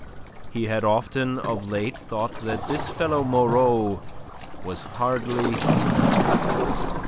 He had often of late thought that this fellow Moreau was hardly human.